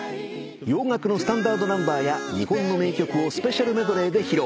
洋楽のスタンダードナンバーや日本の名曲をスペシャルメドレーで披露。